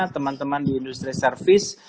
teman teman di industri service